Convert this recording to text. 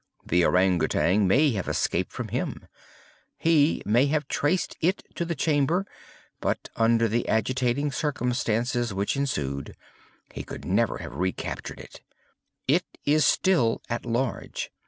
The Ourang Outang may have escaped from him. He may have traced it to the chamber; but, under the agitating circumstances which ensued, he could never have re captured it. It is still at large.